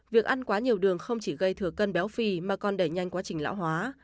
việc ăn quá nhiều đường không chỉ gây thừa cân béo phì mà còn đẩy nhanh quá trình lão hóa